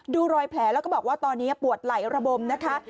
ดูรอยแผลแล้วก็บอกว่าตอนนี้ปวดไหลระบมนะคะ